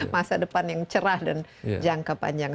masa depan yang cerah dan jangka panjang